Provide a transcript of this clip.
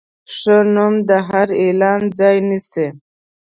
ښه نوم د هر اعلان ځای نیسي.